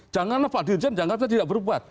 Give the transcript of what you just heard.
jangan pak dirjen jangan pak dirjen tidak berbuat